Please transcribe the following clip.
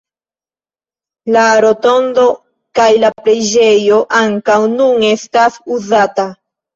La rotondo kaj la preĝejo ankaŭ nun estas uzata.